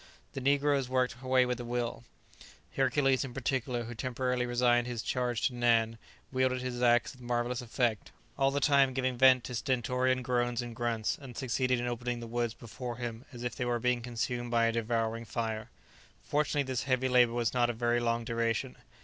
The negroes worked away with a will; Hercules, in particular, who temporarily resigned his charge to Nan, wielded his axe with marvellous effect, all the time giving vent to stentorian groans and grunts, and succeeded in opening the woods before him as if they were being consumed by a devouring fire. Fortunately this heavy labour was not of very long duration.